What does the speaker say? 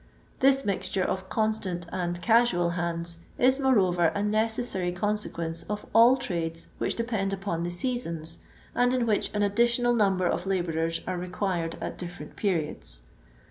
This mixture of constant and casual hands is, moreover, a necessary consequence of ail trades which depend upon the seasons, and in which an additional number of labourers an required at different periods.